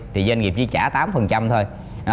thì doanh nghiệp chỉ trả tám thôi